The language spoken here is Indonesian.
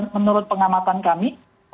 menurut pengamatan kami